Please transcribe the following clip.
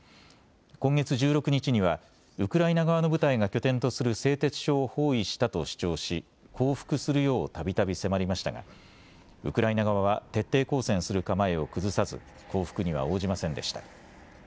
今月１６日にはウクライナ側の部隊が拠点とする製鉄所を包囲したと主張し降伏するようたびたび迫りましたがウクライナ側は徹底抗戦する構えを崩さず降伏には応じませんでした。